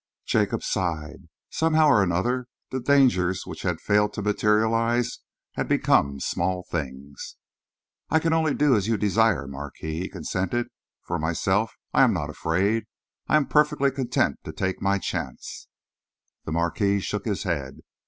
Jacob sighed. Somehow or other, the dangers which had failed to materialise had become small things. "I can only do as you desire, Marquis," he consented. "For myself, I am not afraid. I am perfectly content to take my chance." The Marquis shook his head.